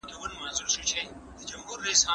کمپيوټر يادوني ور کوي.